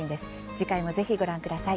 次回もぜひご覧ください。